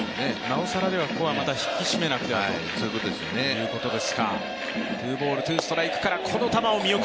なおさら、ではここは引き締めなくてはということですか。